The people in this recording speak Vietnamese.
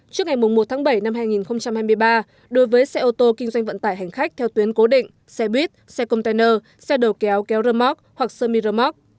trước ngày một tháng bảy năm hai nghìn hai mươi ba đối với xe ô tô kinh doanh vận tải hành khách theo tuyến cố định xe buýt xe container xe đầu kéo kéo rơ móc hoặc sơ mi rơ móc